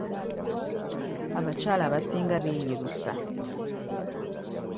Abakyala abasinga beeyerusa.